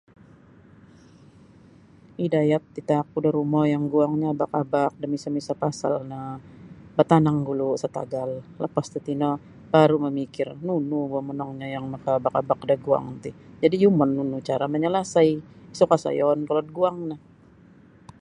Idayat itaakku do rumo yang guangnyo abak-abak da miso-miso pasal no batanang gulu satagal lapas tatino baru mamikir nunu boh monongnyo yang makaabak-abak da guang ti jadi yumon nunu cara manyalasai isa kuasa yoon kolod guang no.